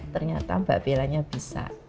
ternyata mbak bellanya bisa